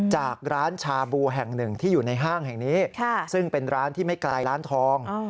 จากร้านชาบูแห่งหนึ่งที่อยู่ในห้างแห่งนี้ซึ่งเป็นร้านที่ไม่ไกลร้านทอง